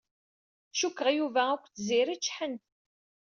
Cukkeɣ Yuba akked Tiziri ččḥen.